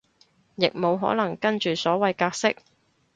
亦無可能跟住所謂格式